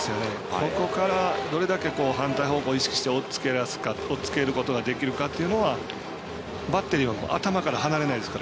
ここからどれだけ反対方向を意識しておっつけることができるかというのはバッテリーも頭から離れないですから。